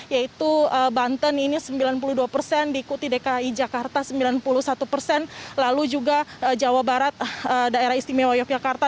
yaitu banten ini sembilan puluh dua persen diikuti dki jakarta sembilan puluh satu persen lalu juga jawa barat daerah istimewa yogyakarta